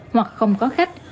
hoặc không có khách